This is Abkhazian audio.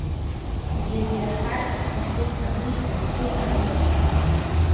Зегьы ираҳартә, ибжьы ҭганы дыччеит Аџыр.